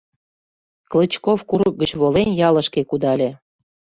Клычков, курык гыч волен, ялышке кудале.